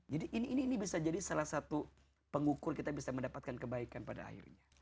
ini bisa jadi salah satu pengukur kita bisa mendapatkan kebaikan pada akhirnya